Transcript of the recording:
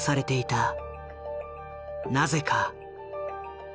なぜか？